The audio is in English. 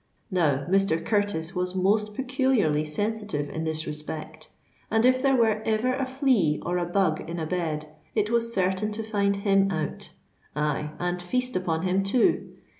Now, Mr. Curtis was most peculiarly sensitive in this respect; and if there were ever a flea or a bug in a bed, it was certain to find him out—aye, and feast upon him too.